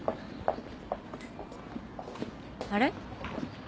あれ？